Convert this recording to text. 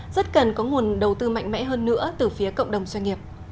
rất cần có nguồn đầu tư mạnh mẽ hơn nữa từ phía cộng đồng doanh nghiệp